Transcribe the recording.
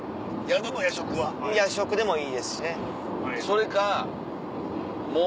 夜食でもいいですしね。